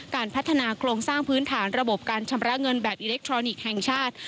การพัฒนาโครงสร้างพื้นฐานระบบการชำระเงินแบบอิเล็กทรอนิกส์แห่งชาติ